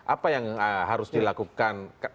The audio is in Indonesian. apa yang harus dilakukan